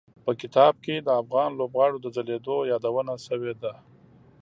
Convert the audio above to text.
په کتاب کې د افغان لوبغاړو د ځلېدو یادونه شوي ده.